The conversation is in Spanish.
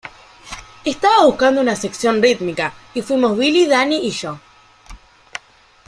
Estaba buscando una sección rítmica, y fuimos Billy, Danny y yo".